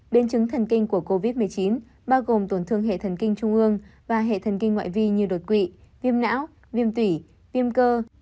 biến chứng thần kinh của covid một mươi chín bao gồm tổn thương hệ thần kinh trung ương và hệ thần kinh ngoại vi như đột quỵ viêm não viêm tủy viêm cơ